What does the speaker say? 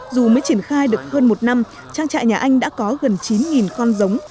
dù mới triển khai được hơn một năm trang trại nhà anh đã có gần chín con giống